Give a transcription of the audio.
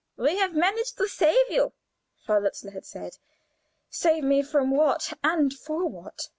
"We have managed to save you," Frau Lutzler had said. Save me from what, and for what?